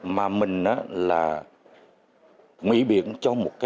mà mình là mỹ biển cho một cái